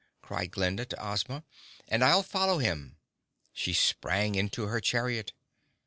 cried Glinda to Ozma. "And I'll follow him!" She sprang into her chariot.